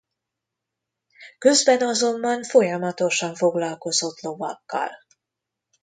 Közben azonban folyamatosan foglalkozott lovakkal.